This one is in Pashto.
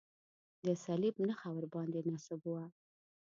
د صلیب نښه ورباندې نصب وه.